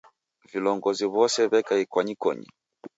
Vilongozi w'ose w'eka ikwanyikonyi